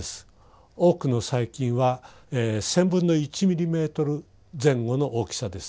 多くの細菌は１０００分の１ミリメートル前後の大きさです。